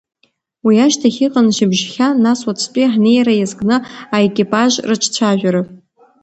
Уи ашьҭахь иҟан шьыбжьхьа, нас уаҵәтәи ҳнеира иазкны аекипаж рыҿцәажәара…